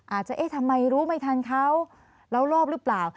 อาจจะเอ๊ะทำไมรู้ไม่ทันเขาแล้วรอบหรือเปล่า